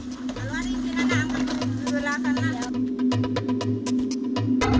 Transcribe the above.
kalau ada istrinya aku akan pulang dulu lah